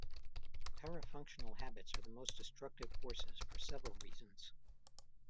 Parafunctional habits are the most destructive forces for several reasons.